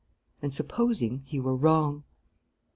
And supposing he were wrong?